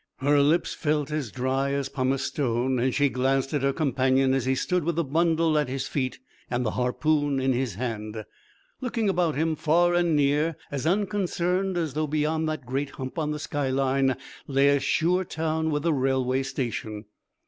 Her lips felt dry as pumice stone and she glanced at her companion as he stood with the bundle at his feet and the harpoon in his hand, looking about him, far and near, as unconcerned as though beyond that great hump on the skyline lay a sure town with a railway station.